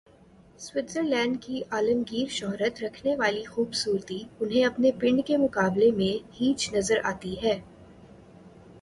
Switzer land کی عالمگیر شہرت رکھنے والی خوب صورتی انہیں اپنے "پنڈ" کے مقابلے میں ہیچ نظر آتی ہے۔